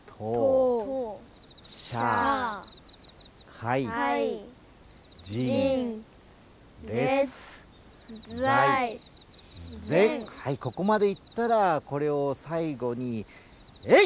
はいここまでいったらこれをさいごにえい！